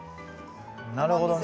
なるほどね。